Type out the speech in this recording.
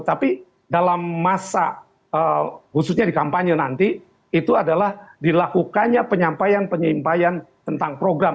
tapi dalam masa khususnya di kampanye nanti itu adalah dilakukannya penyampaian penyampaian tentang program